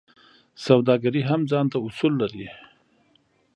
سوداګري هم ځانته اصول لري.